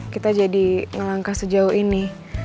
kita jadi melangkah sejauh ini